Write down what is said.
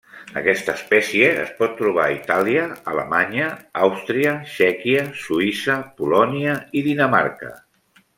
Aquesta espècie es pot trobar a Itàlia, Alemanya, Àustria, Txèquia, Suïssa, Polònia i Dinamarca.